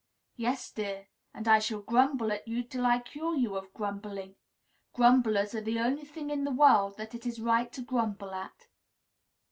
"Yes, dear! And I shall grumble at you till I cure you of grumbling. Grumblers are the only thing in this world that it is right to grumble at."